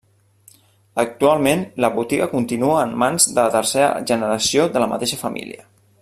Actualment, la botiga continua en mans de la tercera generació de la mateixa família.